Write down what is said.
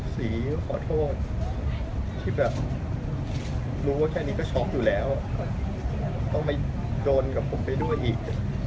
ศรีขอโทษที่แบบรู้ว่าแค่นี้ก็ช็อกอยู่แล้วต้องมาโดนกับผมไปด้วยอีก